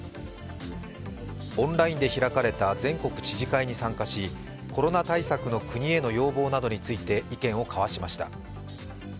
オンラインで開かれた全国知事会に参加し、コロナ対策の国への要望などに対し、意見を交わしました。